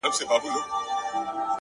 د توري شپې سره خوبونه هېرولاى نه ســم.